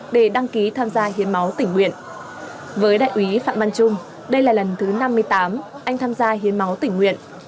hiến máu tỉnh nguyện với đại úy phạm văn trung đây là lần thứ năm mươi tám anh tham gia hiến máu tỉnh nguyện